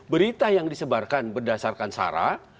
berita yang disebarkan berdasarkan sarah